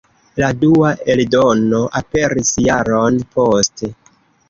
La dua eldono aperis jaron poste.